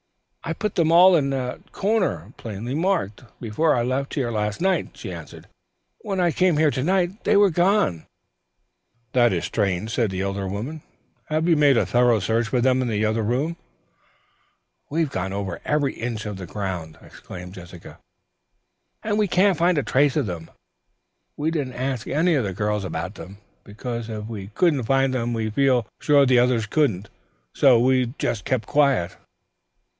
"I put them all in that corner, plainly marked, before I left here last night," she answered. "When I came here to night they were gone." "That is strange," said the elder woman. "Have you made a thorough search for them in the other room?" "We've gone over every inch of the ground," exclaimed Jessica, "and we can't find a trace of them. We didn't ask any of the girls about them, because if we couldn't find them we feel sure the others couldn't. So we just kept quiet."